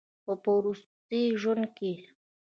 خو پۀ وروستي ژوند کښې